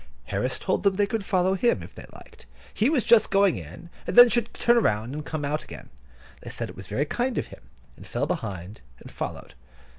Harris told them they could follow him, if they liked; he was just going in, and then should turn round and come out again. They said it was very kind of him, and fell behind, and followed.